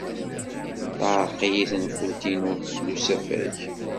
Teɛreq-iyi tenfult-inu n usafag.